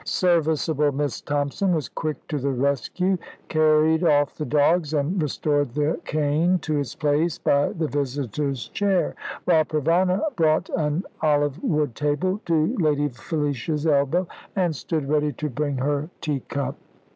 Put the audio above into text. Serviceable Miss Thompson was quick to the rescue, carried off the dogs, and restored the cane to its place by the visitor's chair, while Provana brought an olive wood table to Lady Felicia's elbow, and stood ready to bring her tea cup.